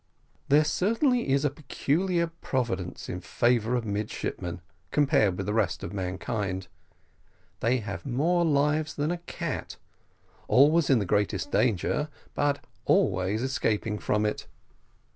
There certainly is a peculiar providence in favour of midshipmen compared with the rest of mankind; they have more lives than a cat always in the greatest danger, but always escaping from it.